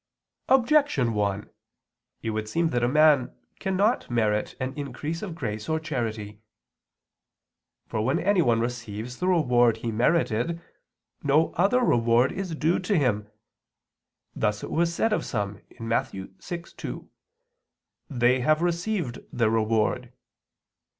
Objection 1: It would seem that a man cannot merit an increase of grace or charity. For when anyone receives the reward he merited no other reward is due to him; thus it was said of some (Matt. 6:2): "They have received their reward."